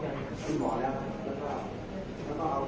แต่ว่าไม่มีปรากฏว่าถ้าเกิดคนให้ยาที่๓๑